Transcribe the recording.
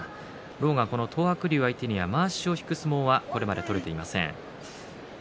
狼雅は東白龍相手にはまわしを引く相撲はこれまで取れていません。